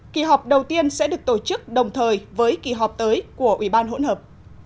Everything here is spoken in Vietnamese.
kỳ họp đầu tiên sẽ được tổ chức đồng thời với kỳ họp tới của ủy ban hỗn hợp